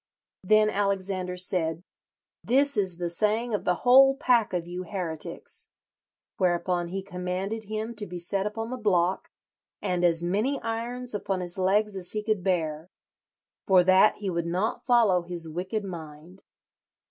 Then Alexander said, 'This is the saying of the whole pack of you heretics.' Whereupon he commanded him to be set upon the block, and as many irons upon his legs as he could bear, for that he would not follow his wicked mind.